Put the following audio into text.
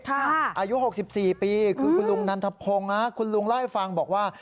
อายุ๖๔ปีคือคุณลุงนันทพงศ์คุณลุงเล่าให้ฟังบอกว่า